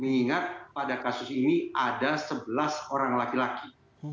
mengingat pada kasus ini ada sebelas orang laki laki